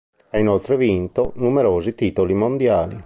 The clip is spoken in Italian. Ha inoltre vinto numerosi titoli mondiali.